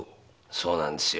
そうなんですよ